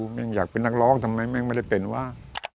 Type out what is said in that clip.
ไม่ได้เป็นว่า